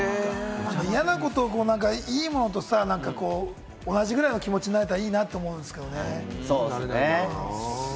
嫌なことをいいものとしたら、同じぐらいの気持ちになれたらいいなと思うんですけれどもね。